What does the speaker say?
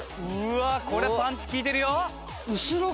これはパンチ利いてるよ。